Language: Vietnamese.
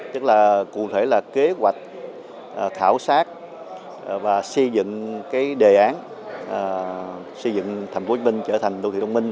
tức là cụ thể là kế hoạch khảo sát và xây dựng đề án xây dựng thành phố hồ chí minh trở thành đô thị thông minh